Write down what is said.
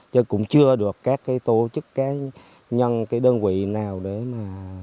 chứ cũng chưa được các tổ chức các nhân các đơn vị nào để mà